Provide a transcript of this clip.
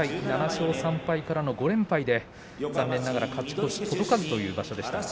７勝３敗からの５連敗で残念ながら勝ち越し届かずという場所でした。